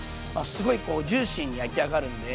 すごいこうジューシーに焼き上がるんで。